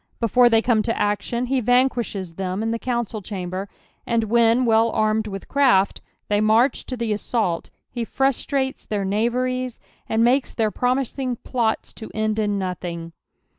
Befon Ihey come to action he vuncpiiehes tliem in the council chainbcr ; and when, well armed with craft, lliey march to the assault, he frustrates their knaveries, and makes their promiaing plots to end in nothing.